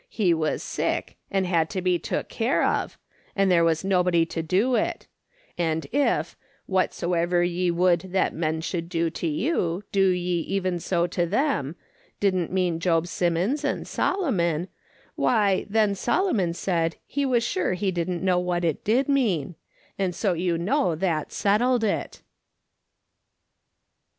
He was sick, and had to be took care of, and there was nobody to do it ; and if ' what soever 3'e would that men should do to you, do ye even so to them,' didn't mean Job Simmons and Solomon, why, then Solomon said he was sure he didn't know what it did mean ; and so you know that settled it."